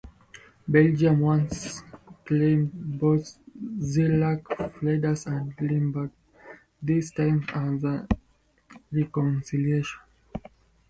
Belgium once again claimed both Zeelandic Flanders and Limburg, this time as a reconciliation.